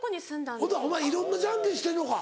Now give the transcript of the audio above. ほなお前いろんなジャンケン知ってんのか。